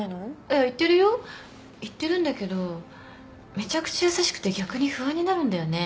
いやいってるよいってるんだけどめちゃくちゃ優しくて逆に不安になるんだよね。